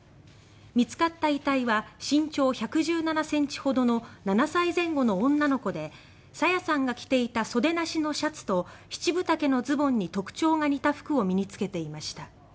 見つかった遺体は身長１１７ｃｍほどの７歳前後の女の子で朝芽さんが着ていた袖なしのシャツと七分丈のズボンに特徴が似た服を身に着けていました。